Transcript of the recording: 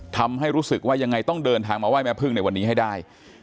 ทำให้รู้สึกว่ายังไงต้องเดินทางมาไห้แม่พึ่งในวันนี้ให้ได้